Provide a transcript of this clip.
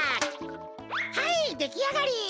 はいできあがり。